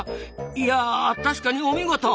いや確かにお見事！